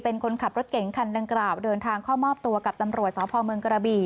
เป็นคนขับรถเก่งคันดังกล่าวเดินทางเข้ามอบตัวกับตำรวจสพเมืองกระบี่